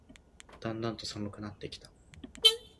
だんだんと寒くなってきた